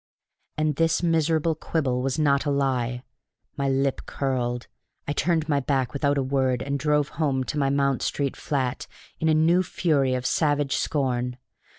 And this miserable quibble was not a lie! My lip curled, I turned my back without a word, and drove home to my Mount Street flat in a new fury of savage scorn.